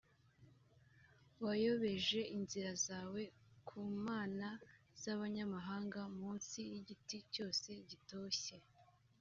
wayobereje inzira zawe ku mana z’abanyamahanga munsi y’igiti cyose gitoshye